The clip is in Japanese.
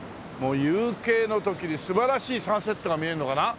夕景の時に素晴らしいサンセットが見えるのかな。